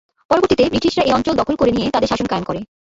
পরবর্তীতে ব্রিটিশরা এই অঞ্চল দখল করে নিয়ে তাদের শাসন কায়েম করে।